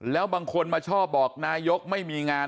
แล้วบางคนมาชอบบอกนายกไม่มีงาน